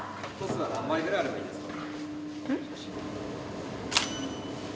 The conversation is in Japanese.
何枚ぐらいあればいいですか？